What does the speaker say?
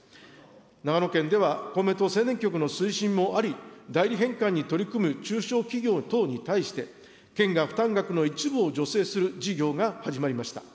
長野県では公明党青年局の推進もあり、代理返還に取り組む中小企業等に対し、県が負担額の一部を助成する事業が始まりました。